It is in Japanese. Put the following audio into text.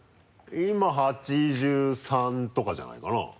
今８３とかじゃないかな？